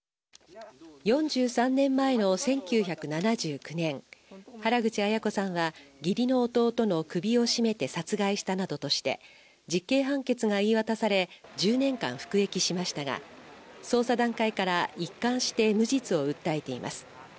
４３年前の１９７９年原口アヤ子さんは義理の弟の首を絞めて殺害したなどとして実刑判決が言い渡され１０年間服役しましたが捜査段階から一貫して無実を訴えています。